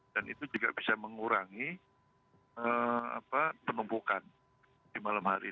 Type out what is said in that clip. dan itu juga bisa mengurangi penumpukan di malam hari